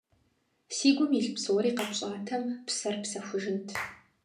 Си гум илъ псори къэпщӀатэм, псэр псэхужынт.